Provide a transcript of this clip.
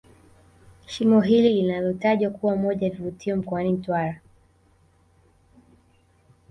Shimo hili linalotajwa kuwa moja ya vivutio mkoani Mtwara